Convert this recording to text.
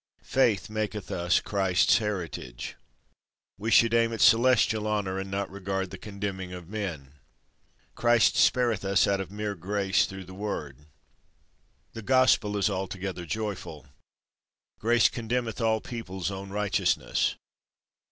Faith maketh us Christ's heritage. We should aim at celestial honour, and not regard the contemning of men. Christ spareth us out of mere grace through the Word. The Gospel is altogether joyful. Grace condemneth all people's own righteousness.